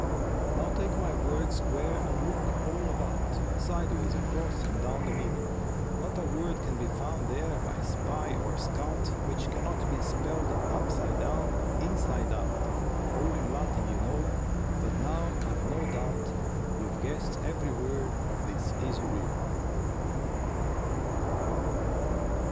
Now take my word square and look all about, Sideways, across, and down the middle, Not a word can be found there by spy or scout Which can not be spelled upside down, inside out, All in Latin, you know; but now I've no doubt You've guessed every word of this easy riddle.